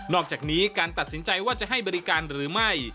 อกจากนี้การตัดสินใจว่าจะให้บริการหรือไม่